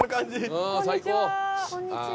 こんにちは。